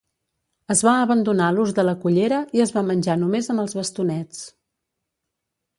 Es va abandonar l'ús de la cullera i es va menjar només amb els bastonets.